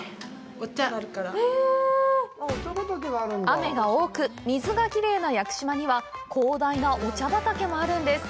雨が多く、水がきれいな屋久島には広大なお茶畑もあるんです。